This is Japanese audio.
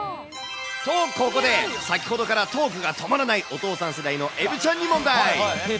と、ここで、先ほどからトークが止まらないお父さん世代のえびちゃんに問題。